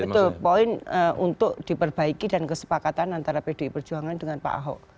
betul poin untuk diperbaiki dan kesepakatan antara pdi perjuangan dengan pak ahok